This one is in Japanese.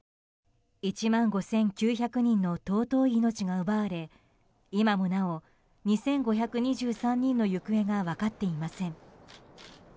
１万５９００人の尊い命が奪われ今もなお２５２３人の行方が分かっていません。